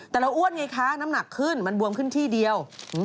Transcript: แต่เราอ้วนไงคะน้ำหนักขึ้นมันบวมขึ้นที่เดียว